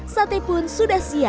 sate pun sudah siap